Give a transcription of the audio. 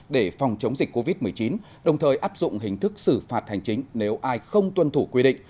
để phòng chống dịch covid một mươi chín đồng thời áp dụng hình thức xử phạt hành chính nếu ai không tuân thủ quy định